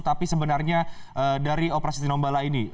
tapi sebenarnya dari operasi tinombala ini